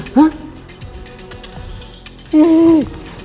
kamu tuh bagaimana